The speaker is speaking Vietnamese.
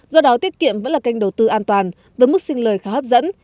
do đó tiết kiệm vẫn là kênh đầu tư an toàn với mức sinh lời khá hấp dẫn